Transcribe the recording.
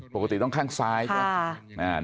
ปกติต้องข้างซ้ายใช่ไหม